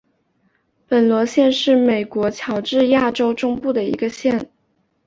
门罗县是美国乔治亚州中部的一个县。